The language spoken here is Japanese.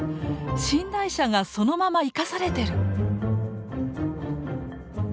寝台車がそのまま生かされてる。